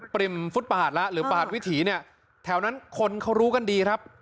ริมฟุตบาทแล้วหรือปาดวิถีเนี่ยแถวนั้นคนเขารู้กันดีครับ